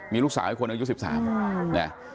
มีลูกสาวให้คนอายุ๑๓เนี่ย